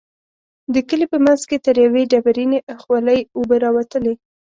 د کلي په منځ کې تر يوې ډبرينې خولۍ اوبه راوتلې.